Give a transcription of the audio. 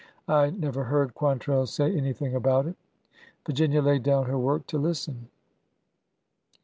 I never heard Quantrell say anything about it." Virginia laid down her work to listen.